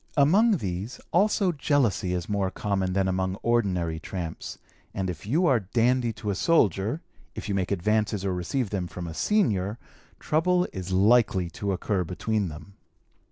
Among these also jealousy is more common than amongst ordinary tramps, and if you are 'dandy' to a soldier, if you make advances or receive them from a senior, trouble is likely to occur between them.